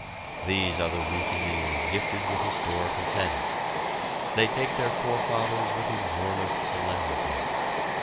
These are the routineers gifted with historical sense. They take their forefathers with enormous solemnity.